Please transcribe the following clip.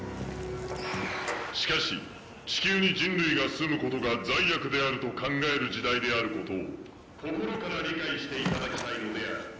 しかし地球に人類が住むことが罪悪であると考える時代であることを心から理解していただきたいのである。